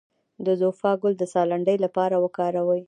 د زوفا ګل د ساه لنډۍ لپاره وکاروئ